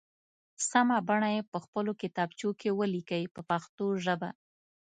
سمه بڼه یې په خپلو کتابچو کې ولیکئ په پښتو ژبه.